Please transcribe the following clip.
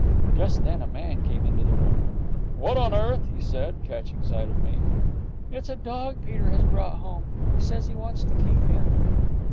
Just then a man came into the room. 'What on earth?' he said, catching sight of me. 'It's a dog Peter has brought home. He says he wants to keep him.'